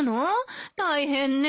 大変ねえ。